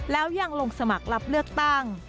แล้วยังลงสมัครรับเลือกตั้ง